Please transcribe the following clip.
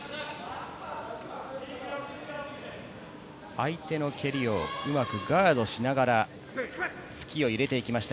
相手の蹴りをうまくガードしながら突きを入れていきました。